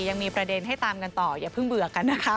ยังมีประเด็นให้ตามกันต่ออย่าเพิ่งเบื่อกันนะคะ